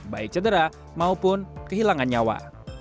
baik cedera maupun kehilangan nyawa